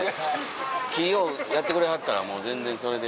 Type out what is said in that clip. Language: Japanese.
気ぃようやってくれはったら全然それで。